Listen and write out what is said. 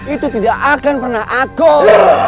itu tidak akan pernah akob